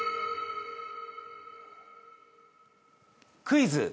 クイズ！